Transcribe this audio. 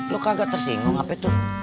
lo kagak tersinggung apa itu